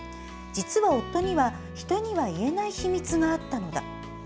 実は夫には、人には言えない秘密があったのだ。